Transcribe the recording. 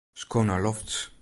Sko nei lofts.